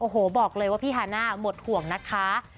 โอ้โหบอกเลยว่าพี่ฮาน่าหมดห่วงนะคะ